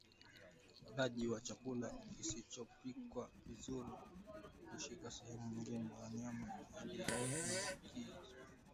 ulaji wa chakula kisichopikwa vizuri na kushika sehemu za mwili wa mnyama aliyeambukizwa